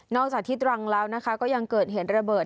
นอกจากที่ตรงแล้วนะคะยังเกิดเห็นระเบิด